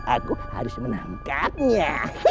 aku harus menangkapnya